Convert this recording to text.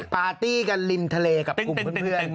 ปาร์ตี้กันลินทะเลกับคุณเพื่อน